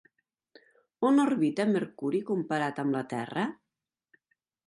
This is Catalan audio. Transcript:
On orbita Mercuri comparat amb la terra?